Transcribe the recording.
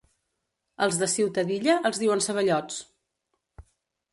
Als de Ciutadilla, els diuen ceballots.